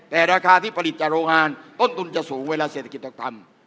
แต่ราคาที่ผลิตจากโรงงานต้นทุนจะสูงเวลาเศรษฐกิจต่างต่ำ